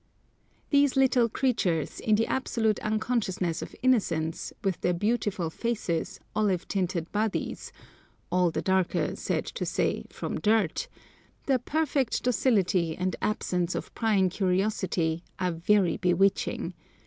These little creatures, in the absolute unconsciousness of innocence, with their beautiful faces, olive tinted bodies,—all the darker, sad to say, from dirt,—their perfect docility, and absence of prying curiosity, are very bewitching.